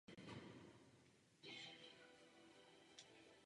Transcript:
Zaměstnanci jsou také schopní provádět vlastní kontrolu plnění úkolů.